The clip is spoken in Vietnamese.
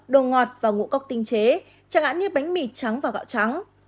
đồ ngọt và ngũ cốc tinh chế chẳng hạn như bánh mì trắng và gạo trắng